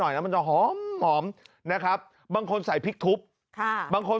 นะมันจะหอมหอมนะครับบางคนใส่พริกทุบค่ะบางคน